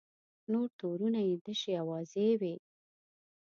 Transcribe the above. نور تورونه یې تشې اوازې وې.